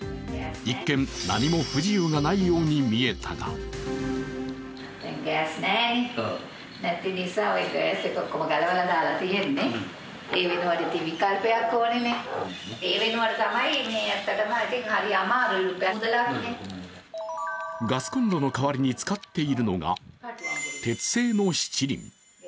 一見、何も不自由がないように見えたがガスコンロの代わりに使っているのが、鉄製の七輪。